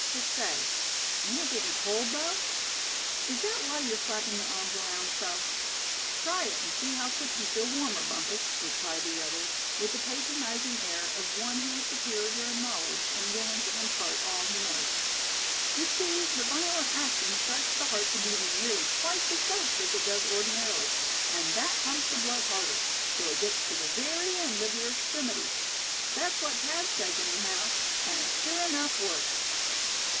But say, ain't it gettin' cold though? Is that why you're slapping your arms around so?" "Try it, and see how quick you feel warmer, Bumpus," replied the other, with the patronizing air of one who is superior in knowledge, and willing to impart all he knows; "you see, the violent action starts the heart to beating nearly twice as fast as it does ordinarily; and that pumps the blood harder, so it gets to the very end of your extremities. That's what Thad says, anyhow; and it sure enough works."